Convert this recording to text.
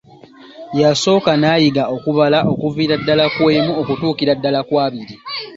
Yasooka n'ayiga okubala okuviira ddala ku emu okutuukira ddala ku abiri.